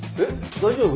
大丈夫？